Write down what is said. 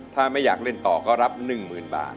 ถ้าไม่อยากเล่นต่อก็รับ๑๐๐๐บาท